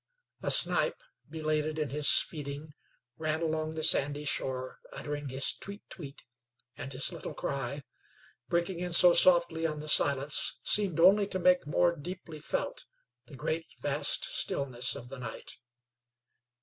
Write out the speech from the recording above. A snipe, belated in his feeding, ran along the sandy shore uttering his tweet tweet, and his little cry, breaking in so softly on the silence, seemed only to make more deeply felt the great vast stillness of the night.